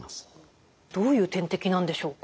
どういう点滴なんでしょうか？